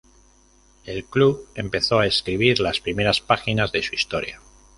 El club empezó a escribir las primeras páginas de su historia.